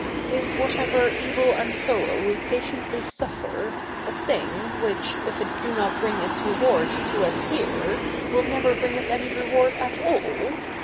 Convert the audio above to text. Is whatever evil and sorrow we patiently suffer, a thing which, if it do not bring its reward to us here, will never bring us any reward at all